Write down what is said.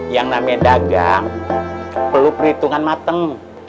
yang namanya dagang perlu perhitungan mateng